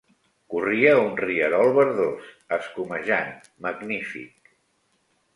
Corria un rierol verdós, escumejant, magnífic